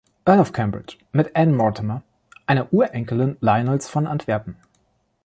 Earl of Cambridge, mit Anne Mortimer, einer Urenkelin Lionels von Antwerpen.